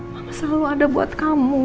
maka selalu ada buat kamu